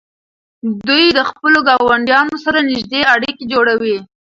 دوی د خپلو ګاونډیانو سره نږدې اړیکې جوړوي.